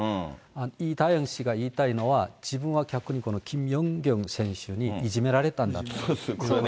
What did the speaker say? イ・ダヨン選手が言いたいのは、自分は逆にこのキム・ヨンギョン選手にいじめられたんだと。